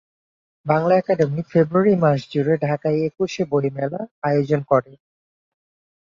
Bangla academy February মাস জুড়ে ঢাকায় একুশে বইমেলার আয়োজন করে।